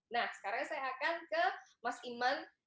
nah sekarang saya akan ke mas iman